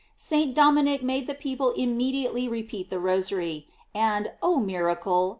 St. Dominic made the people immediately repeat the Rosary; and, oh miracle!